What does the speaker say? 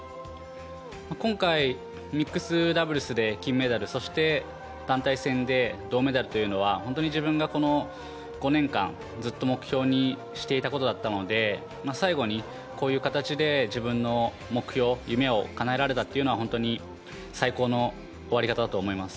今回、ミックスダブルスで金メダルそして団体戦で銅メダルというのは本当に自分がこの５年間ずっと目標にしていたことだったので最後にこういう形で自分の目標夢をかなえられたというのは本当に最高の終わり方だと思います。